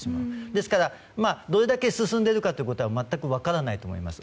ですから、どれだけ進んでいるかは全く分からないと思います。